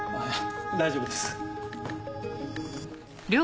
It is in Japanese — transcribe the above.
大丈夫です。